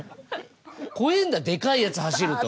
怖えんだデカいやつ走ると。